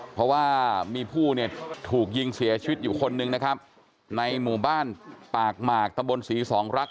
เพราะว่ามีผู้เนี่ยถูกยิงเสียชีวิตอยู่คนนึงนะครับในหมู่บ้านปากหมากตะบนศรีสองรัก